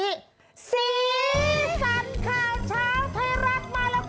สีสันข่าวเช้าไทยรัฐมาแล้วค่ะ